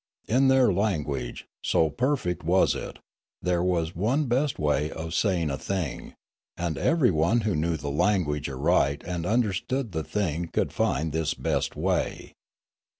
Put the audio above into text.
In their language, so perfect was it, there was one best way of saying a thing; and everyone who knew the language aright and understood the thing could find this best way.